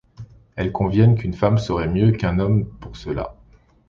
Elles conviennent qu'une femme serait mieux qu'un homme pour cela.